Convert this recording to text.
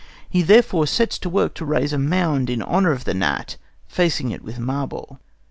He therefore sets to work to raise a mound in honour of the gnat, facing it with marble.